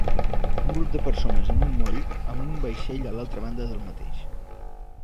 Un grup de persones en un moll amb un vaixell a l'altra banda del mateix.